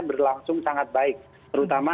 berlangsung sangat baik terutama